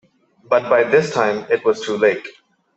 But by this time, it was too late.